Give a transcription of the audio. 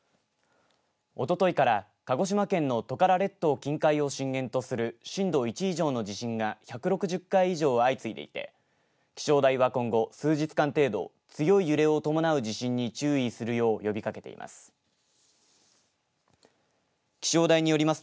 おとといから鹿児島県のトカラ列島近海を震源とする震度１以上の地震が１６０回以上相次いでいて気象台は今後、数日間程度強い揺れを伴う地震に注意するようよう呼びかけています。